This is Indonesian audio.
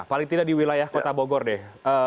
paling tidak di wilayah kota bogor deh